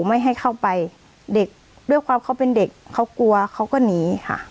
ไม่ให้เข้าไปเด็กด้วยความเขาเป็นเด็กเขากลัวเขาก็หนีค่ะ